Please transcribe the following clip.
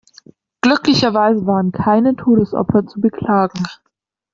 Glücklicherweise waren keine Todesopfer zu beklagen.